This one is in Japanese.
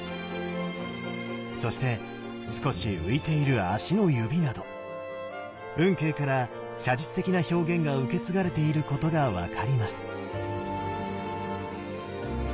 そして少し浮いている足の指など運慶から写実的な表現が受け継がれていることが分かります。